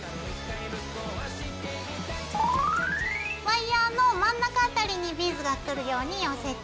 ワイヤーの真ん中辺りにビーズがくるように寄せて。